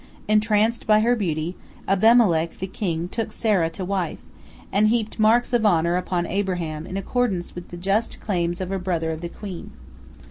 Entranced by her beauty, Abimelech the king took Sarah to wife, and heaped marks of honor upon Abraham in accordance with the just claims of a brother of the queen.